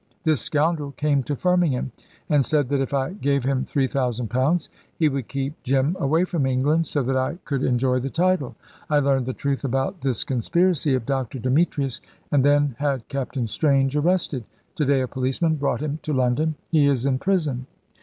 This scoundrel came to Firmingham, and said that if I gave him three thousand pounds he would keep Jim away from England so that I could enjoy the title. I learned the truth about this conspiracy of Dr. Demetrius, and then had Captain Strange arrested. To day a policeman brought him to London. He is in prison."